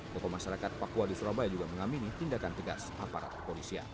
tokoh masyarakat papua di surabaya juga mengamini tindakan tegas aparat kepolisian